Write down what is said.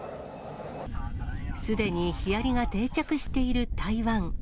すでにヒアリが定着している台湾。